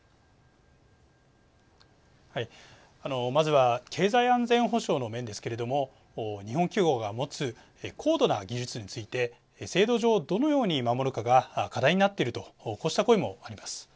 まずは経済安全保障の面ですけれども日本企業が持つ高度な技術について制度上どのように守るかが課題になっているとこうした声もあります。